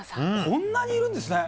こんなにいるんですね